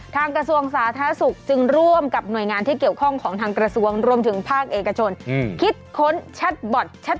ถามปั๊บตอบปุ๊บ